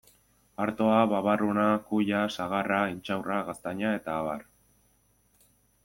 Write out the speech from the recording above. Artoa, babarruna, kuia, sagarra, intxaurra, gaztaina eta abar.